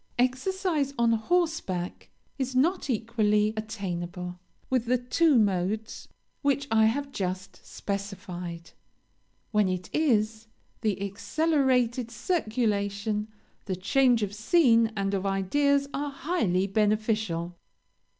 "Exercise on horseback is not equally attainable with the two modes which I have just specified; when it is, the accelerated circulation, the change of scene and of ideas, are highly beneficial.